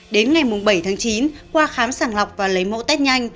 đến ngày bảy tháng chín qua khám sàng lọc và lấy mẫu test nhanh